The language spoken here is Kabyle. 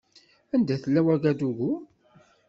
Anda tella Wagadugu?